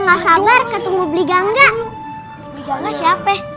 nggak sabar ketemu beli gangga siapa